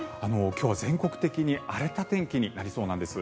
今日は全国的に荒れた天気になりそうなんです。